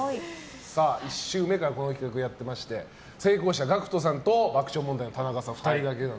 １週目からこの企画をやってまして成功者、ＧＡＣＫＴさんと爆笑問題の田中さん